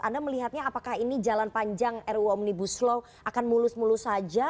anda melihatnya apakah ini jalan panjang ruu omnibus law akan mulus mulus saja